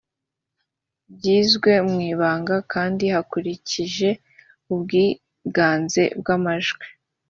byizwe mu ibanga kandi hakurikije ubwiganze bw’amajwi